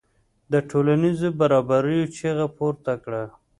د ټولنیزو برابریو چیغه پورته کړه.